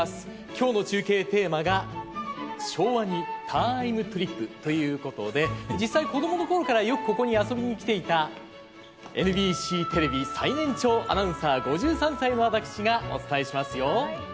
今日の中継テーマが「昭和にタイムトリップ」ということで実際、子供のころからよくここに遊びにきていたＮＢＣテレビ最年長アナウンサー５３歳の私がお伝えしますよ。